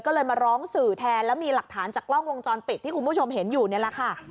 ก็เลยมาร้องสื่อแทนแล้วมีหลักฐานจากกล้องวงจรปิดที่คุณผู้ชมเห็นอยู่นี่แหละค่ะ